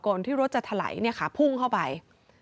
ก่อนที่รถจะถลายพุ่งเข้าไป